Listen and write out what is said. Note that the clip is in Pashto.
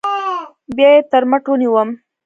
بيا يې تر مټ ونيوم.